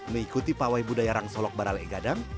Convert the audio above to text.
mengikuti pawai budaya rang solok barale gadang